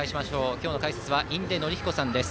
今日の解説は印出順彦さんです。